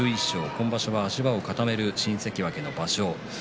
今場所は足場を固める新関脇の場所。